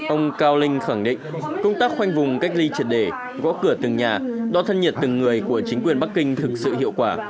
ông cao linh khẳng định công tác khoanh vùng cách ly triệt đề gõ cửa từng nhà đo thân nhiệt từng người của chính quyền bắc kinh thực sự hiệu quả